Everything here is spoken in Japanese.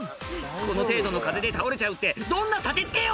この程度の風で倒れちゃうってどんな立て付けよ！